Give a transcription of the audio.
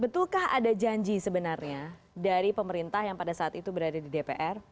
betulkah ada janji sebenarnya dari pemerintah yang pada saat itu berada di dpr